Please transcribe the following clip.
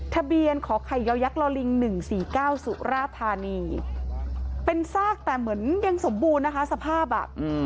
ขอไข่ยอยักษลิง๑๔๙สุราธานีเป็นซากแต่เหมือนยังสมบูรณ์นะคะสภาพอ่ะ